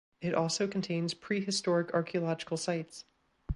It also contains prehistoric archaeological sites.